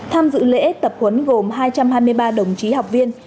tham dự lễ tập huấn gồm hai trăm hai mươi ba đồng chí học viên